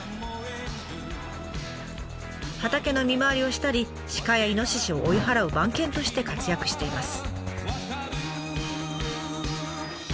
畑の見回りをしたり鹿やイノシシを追い払う番犬として活躍しています。